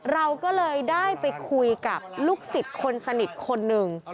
เราก็เลยได้ไปคุยกับลูกศิษย์คนสนิทคนหนึ่ง